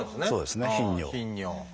そうですね「頻尿」。